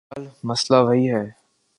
بہرحال مسئلہ وہی ہے۔